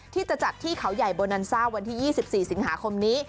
ที่จะจัดที่เขาใหญ่โบนันซ่าวันที่๒๔สิงหาคมนี้